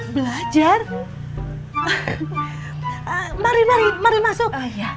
belajar mari masuk